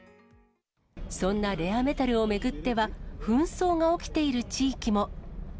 そんなレアメタルを巡っては、紛争が起きている地域も。